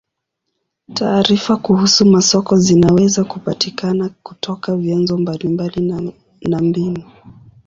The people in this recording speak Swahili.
Taarifa kuhusu masoko zinaweza kupatikana kutoka vyanzo mbalimbali na na mbinu.